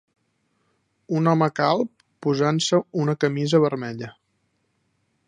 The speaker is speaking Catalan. Un home calb posant-se una camisa vermella